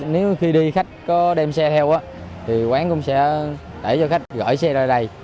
nếu khi đi khách có đem xe theo thì quán cũng sẽ để cho khách gửi xe ra đây